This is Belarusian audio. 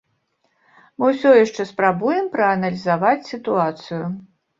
Мы ўсё яшчэ спрабуем прааналізаваць сітуацыю.